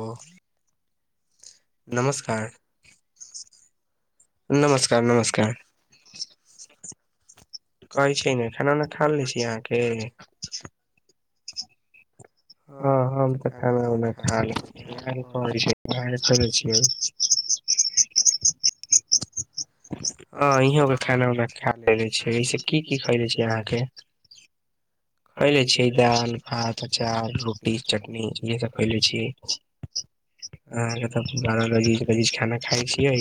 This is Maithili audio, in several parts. ओ नमस्कार। नमस्कार-नमस्कार। कहै छीयै ने खाना-उना खा लेलै छीयै अहाँके। छ हाँ हम तऽ खाना-उना खा लेलै छी, अहाँके कहै छै अहाँके खयले छियै? हां इहो के खाना-उना खाए लेले छीयै, ऐसे की-की खेएलै छी अहाँके। खयलै छियै दाल, भात, अचार, रोटी, चटनी इहे सब खयलै छी, अहाँ के तऽ बड़ा लजीज-लजीज खाना खाय छियै,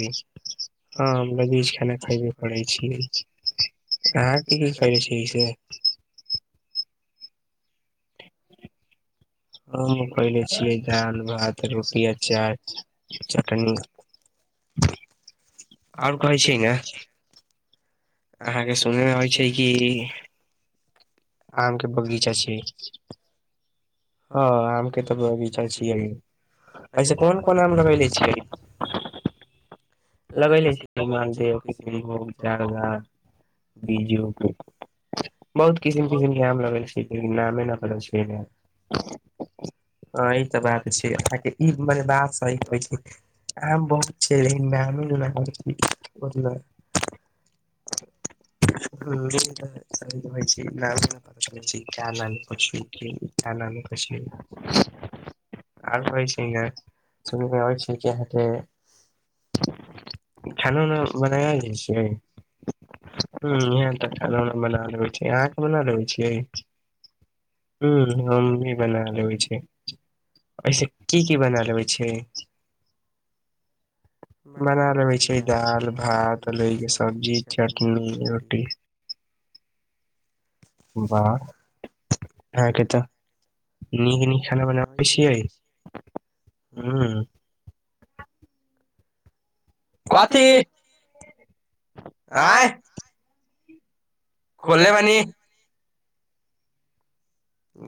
हाँ हम लजीज खाना खयबे करै छी, अहाँके की-की खयलै छी से? हमु खयले छियै दाल, भात, रोटी, अचार, चटनी। और कहै छी नै। अहाँ के सुनय मे आबै छै कि आमके बगीचा छियै, हां आमके तऽ बगीचा छियै ए से कोन कोन आम लगैले छियै? लगैले छीयै मालदेव, किशिनभोग, जारदा, बीजु बहुत किसिम किसिम के आम लगैले छीयै लेकिन नामे नै पता छै ने। हां ई त बात छै अहाँके ई मने बात सही कहै छी आम बहुत छै लेकिन नाम [unintelligible] ह्म्म ई तऽ सही कहै छी नामे ना पता चलै छी ई का नाम के छी की, ई का नाम का छीयै, आरू कहै छी नै सुने मे अबै छै कि अहाँके खाना उना बनैय लैय छीयै। हु यहाँ तऽ खाना उना बना लेबै छियै, अहाँके बना लेबै छियै, हुं हम भी बना लेबै छीयै ऐसे की की बना लेबै छियै? बना लेबै छीयै दाल, भात [unintelligible] के सब्जी, चटनी, रोटी। बाह अहाँके तऽ नीक नीक खाना बनाबै छियै, हुं। कथी आयं खोललै बानी।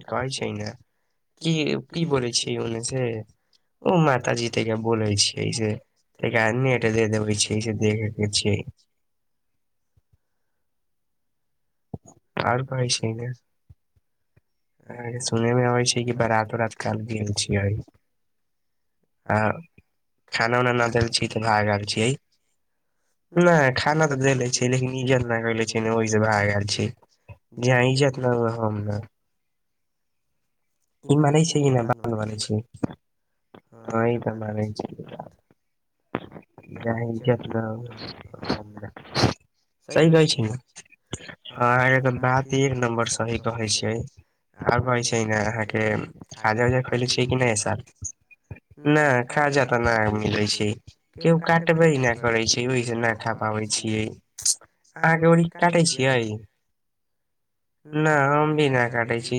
कहै छै नै की की बोलै छी ओन्ने से ओ माताजी तऽका बोलै छियै से एकरा नेट दे देबे छीयै से देखै के छियै। आर कहै छीयै नै अहां के सुनय मे अबै छै कि बारात उरात काएल गेल छियै, अहां खाना उना न देल छी तऽ भागल छीयै, ना खाना तऽ देलै छै लेकिन इज्जत नै होले छै नै ओही से भागल छीयै। जहाॅं इज्जत ना उहाॅं हम ना। ई मानै छीयै कि न बात मानै छीयै हां ई तऽ मानै छियै बात, जहाॅं इज्जत ना उहाॅं हम ना, सही कहै छीयै न। हां अहाँ के ते बात एक नम्बर सही कहे छीयै, आब कहै छीयै न अहाँ के ऐ खाजा उजा खैले छियै कि नै ए साल, नै खाजा तऽ नै मिलै छै केहु काटबे ना करै छै ओहि से न खा पाबै छियै, अहाँके ओरी काटै छियै? ना हम भी ना काटै छी,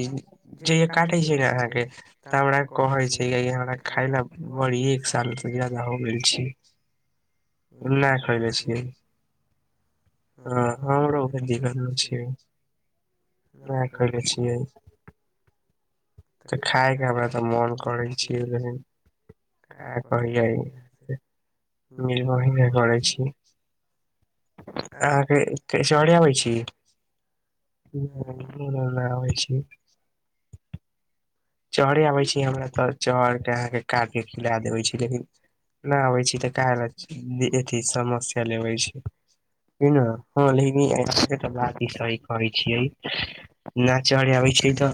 जे काटे छै अहाँके तऽ हमरा कहै छै कियकी हमरा खायला बड़ी एक साल से जादा हो गेल छै। ओन्ने खयले छियै। हँ हमरो ओहे दिक् छियै। ना करे छियै। तऽ खाय के हमरा तऽ मन करै छीयै जखनि अहाॅं कहिया से मिलबहि ना करै छी, अहाँ के एके जरे अबै छी? [unintelligible] आबै छी चढ़े आबैत छी हमरा तऽ चढ़के अहाँके काट क खिला देबै छी लेकिन नहि आबैत छी तऽ क अथ समस्या लेबै छी हँ लेकिन ई अहाँके बात भी सही कहै छियै ना चढ़े आबै छैय तऽ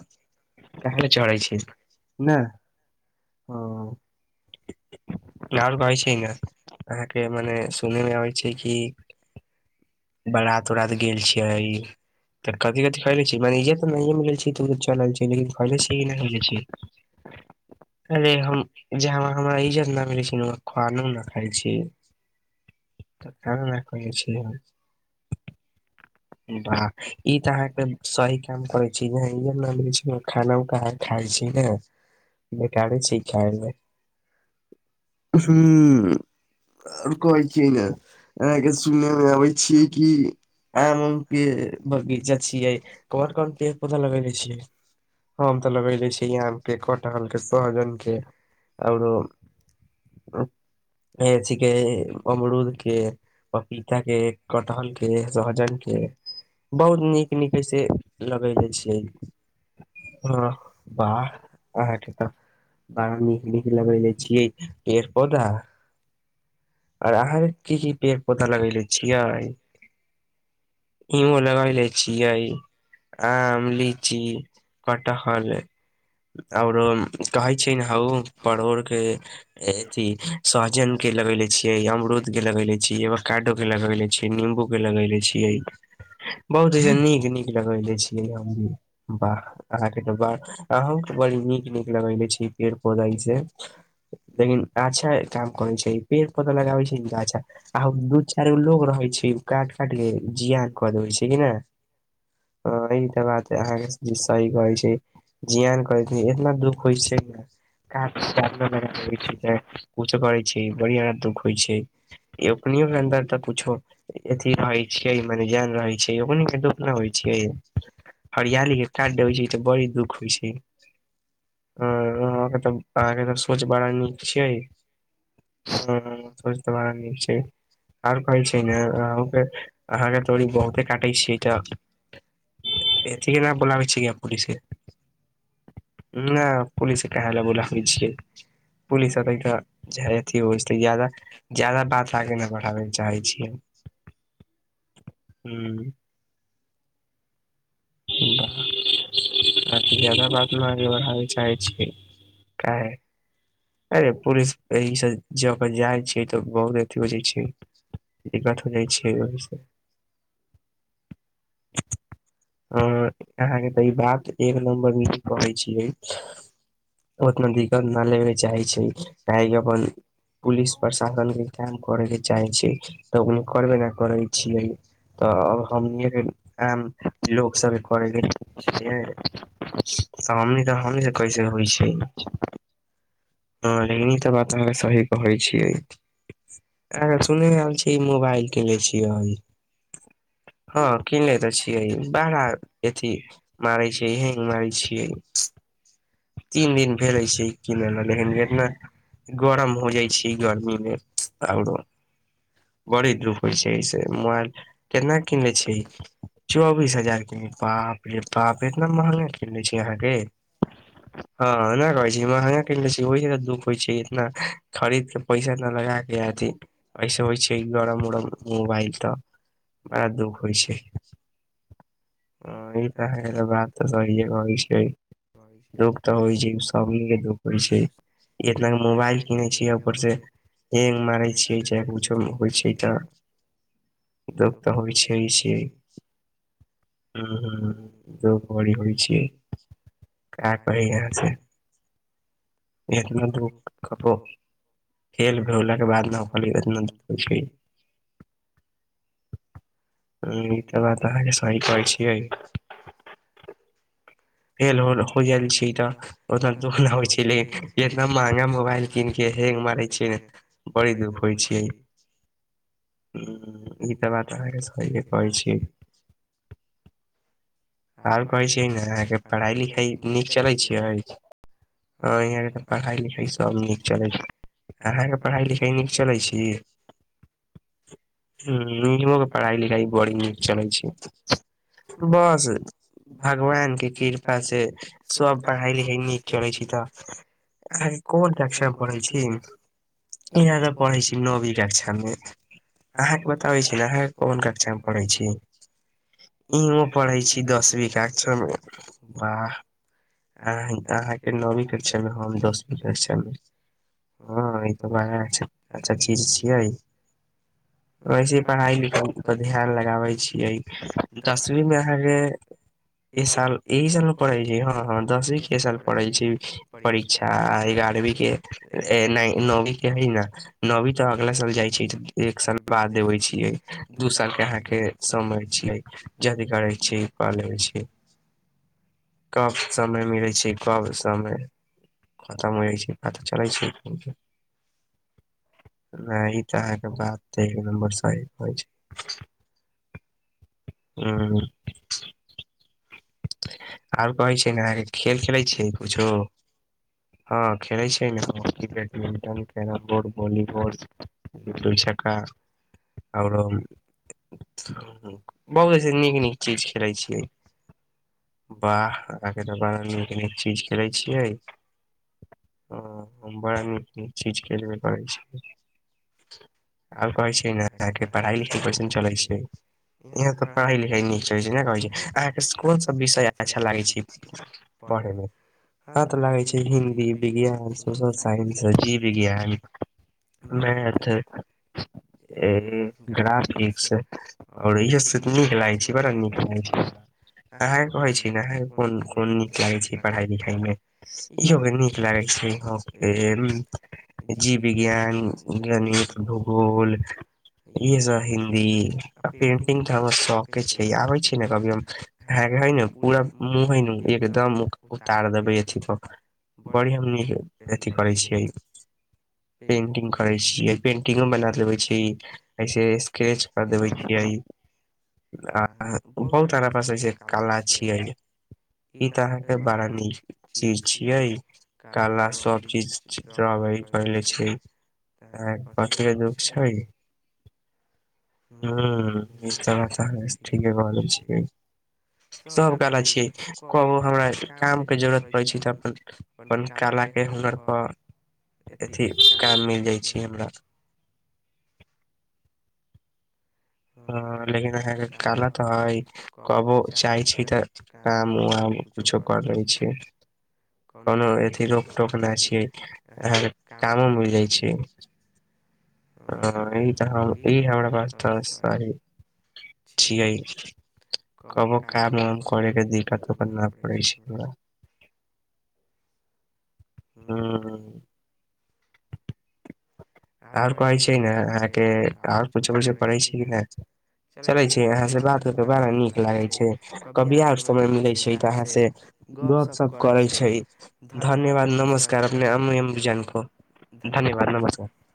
काहे ले चढ़े छैय। ईत नै ओ आओर कहै छै ने अहाँके मने सुने मे अबै छै कि बारात उराात गेल छी, कथी कथि खैले छी मने इज्जत तऽ नहिए मिलल छैय तऽ तऽ चलल छैय लेकिन खैले छी कि नहि खैले छीे हम हमरा इज्ज। िल छै खानो नहि खाइ छी वाह ई तऽ अहाँके सही काम करैत छी जेहाँ इज्जत न मिलै छैय खाना उ खाइ छी न बेकारे छैय खाय लेल हूँ और कहैत छिय ने अहाँके सुनयमे अबैत छीयै कि के बगीचा छियै कोन कोन पेड़ पौधा लगैले छियै हम तऽ लगैले छियै आमके कटहलके सहजनके आओरो अथेै अमरूदके पपीताके कटहलके सहजनके बहुत नीक नीक अइसे लगयले छियै हँ बाह अहाँके तऽ बड़ा नीक नीक लगयले छियै पेड़ पौधा। और आहा की की पेड़ पौधा लगैले छिये। हमु लगैले छियै आम लीची कटहल औरो कहै छैय ने हउ परोड़के, सहजनके लगले छियै, अमरूद के लगैले छियै, बकैडोके लगैले छियै, निम्बू के लगैले छियै। बहुत नीक नीक लगले छीयै वाह आंहके अहुं बड़ी नीक नीक लगले छी पेड़ पौधा लेकिन अच्छा काम करै छैय पेड़ पौधा लगाबे छै य। त अच्छा अ दू चारि गो लोग रहै छै काट काट के जिया दे छै ह ई त बात अहके सही कहै छै जियान इना दुःख होइ छै ने काट के जारना लगा देबे छै कछो करै छै बढ़िया दुख होइ छैो के अन्दर तऽ कुछो अथ रहै छै मने जान रहे छैय ओखनी के दुख न होइ छैय हरियाली के काट देब छैय त बड़ी दुख होइ छैय अहां के सोच बड़ा नीक छैय सोच त बड़ा नीक छै और कह छैय ने अहुं के अहाँ के त बहुते काटे छियै तऽ एथि के नहि बुलाबे छिय पुलिस ना पुलिस कहे ल बुलाबै छियै पुलिस ऐते तऽ जादा अथि हो जेते जादा बात आगे नै बढ़ाबै ल चाहे छियै। हूँ। जादा बात आगे न बढ़ाब ल चाहै छिये काहे अरे पुलिस एहिसँ ज कऽ जाइ छियै तऽ बहुत अथी हो जाइ छैय दिक्कत हो जाइ छैय ओसँ [unintelligible] ह अहाँके तऽ ई बात एक नम्बर करै छियै ओतना दिक्कत नहि ले चाहै छै काहेकि अपन पुलिस प्रशासन के काम करे के चाहै छै तऽ हम करबे नहि करै छियै तऽ अब हम आ लोक सबके करैके छियै तऽ हमनी तऽ हमनी कैसे होइ छैय हँ लेकिन ई तऽ बात अहाँके सही कहै छियै अहाँके सुनैमे आयल छ मोबाइल किन ले छियै हँ किन ले तऽ छियै। बरा अथी मारै छैय यह मारै छियै तीन दिन भेलै छैय किनल लेकिनन गरम हो जाइ छैय गर्मी मे आरो। बड़ी दुख होइ छैय से मोबाइल केना किनले छिये चौबीस ह बाप रे बाप इतना महगा किन ले छी अहाँ के हँ ना कहै छी महंगा किन ले छीहि दुख होइ छैय इतना खरीद के पैसा इना लगा अथी ऐस होइ छैय। से गड़म उड़म मोबाल तऽ बड़ा दुःख होइ छै। [unintelligible] ह ई त बात तऽ सहिए होइ छै। [unintelligible] दुख त होइ छै सभिये। हो छै इतना मोबाइल किनै छियै ऊपरसँ हैंग मारै छियै चाहे किछो होइ छैय तऽ दुःख तऽ होइ छैय छियै। हूँ हूँ दुख बड़ी होइ छैय से का कही अहाँ से। इतना दु खेल भलाक के बाद न कहतना हो ह ई त त। [unintelligible] एहिह कहै छियै। [unintelligible] फेल हो हो जाल छै तऽ उतना दुःख न होइ छै लेकिन इतना महंगा मोबाइल कीन के हेंग मारै छियै बड़ी दुःख होइ छियै ह [unintelligible] ई तऽ बात अहाँके से कहै छै। [unintelligible] [unintelligible] आर कहै छै नई। पढ़ाई लिखाई नीक चलै छियढ़ई [unintelligible] लिख सब न चलै छै अहके पढ़ाई लिखई नीक चलै छी ह पढ़ई लिखाई बी नीक चलै छै बस। [unintelligible] [unintelligible] भगवान के कृपा। से सब पढ़ाई लिखाई नीक चले छै तऽ अहाँ के कोन कक्षा में पढ़े छी इह पढ़े छी नवी कक्षा में अहा के बताबे छी ने अहाँ के कोन कक्षा में पढ़े छी इ पढ़े छी। [unintelligible] दस बि कक्षा में। वाह [unintelligible] अ अहाँके नौवीं कक्षा मे हम दसवी कक्षा मे [unintelligible] ह ई त बड़ा अच्छा चीज छियै वैसे पढ़ाई लिखाई पर ध्यान लगाबै छियै दसवी मे। आगे [unintelligible] ई साल। इ साल मे पढ़े छै हँ ह दसवीं के साल पढ़े छै परीक्षा आ एगारहवीं के नौवीं के हय न नौवीं तऽ अगला साल जाइ छै एक साल बाद देबे छै दू साल के अहाँ के समय छियै याद करे। छी पाल छी। [unintelligible] [unintelligible] कब समय मिलै छै कब समय खतम हो जाइ छै चलै छै तऽ अहाँके बात एक नम्बर सही छै। [unintelligible] ह। [unintelligible] आओर कहैत छै ने अहाँके खेल खेलैत छियै कछो [unintelligible] हँ खेलैत छै ने badminton carrom board volleyball ludo छक्का- आओरो बहुत असन नीक नीक चीज खेलैत छियै। वाह अहाँके तऽ बड़ा नीक -नीक चीज खेलैत छियै हँ हम बड़ा नीक -नीक चीज खेलबे करैत छी आब कहैत छ ने अहाँके पढ़ाइ लिखाइ कैसन चलैत छै इह तऽ पढ़ाइ लिखाइ नीक चलैत छै ने कहैत छै अहाँके। कोन। [unintelligible] सब विषय अच्छा लागै छै पढ़ैमे हँ तऽ लागै छै हिन्दी विज्ञान सोशल साइंस जीव विज्ञान मैथ -ग्राफिक्स आओर इहो सब नीक लागै छै बड़ा नीक लाग छै। अहाँके कहै छी ने अहाँके कोन -कोन नीक लागै छै पढ़ाइ लिखाइमे इहे नीक लागै छैके जीव विज्ञान, गणित, भूगोल, इहसभ हिन्दी, आ पेंटिंग तऽ हमर शौकेे छै आबै छै ने कभी हम। पूरा मु ह एकदम उतार देबेथ पर बढ़िया न अथ करे छी [unintelligible] पेंटिंग करे छीिय पेंटिंगो बना देबे छी ऐसे स्केच कर देवे छीिय [unintelligible] बहुत सारा पास। [unintelligible] हूं इसलाम त ठीके ब छिय। सभ काल छियै कहबू हमरा कामके जरूरत पड़ै छै तऽ अपन -अपन कालाके हुनरकेऽ -अथी काम मिल जाइ छै हमरा। [unintelligible] ह लेकिन अहाँके काला हइ कहबो चाहै छी तऽ काम- वाम कछो कर लै छी कोनो अथी रोकटोक नहि छी अहाँके कामो मिलै छी ह ई तऽ हम ई हमरा पास त। आ। [unintelligible] ठ कहबो काम -वाम करैके दिक्कत उ्कत नहि पड़ै छै हमरा। [unintelligible] हँ। [unintelligible] आओर कहै छै ने अहाँके आओर कछो पै छै ने चले [unintelligible] छै अहाँ से बात करके बड़ा नीक लागे छै कभी आर समय मिलैत छै तऽ अहाँ से गप सप करै छै धन्यवाद नमस्कार अपनेमम जन को। धन्यवाद नमसकार। [unintelligible]